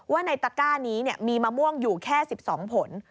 ว่าในตะก้านี้มีมะม่วงอยู่แค่๑๒ผล